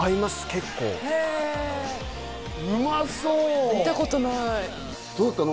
結構へえうまそう見たことないどうだったの？